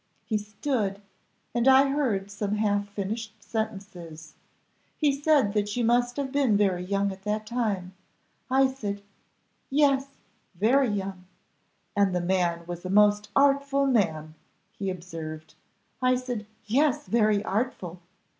He stood, and I heard some half finished sentences. He said that you must have been very young at that time; I said, 'Yes, very young:' 'And the man was a most artful man,' he observed; I said. 'Yes, very artful.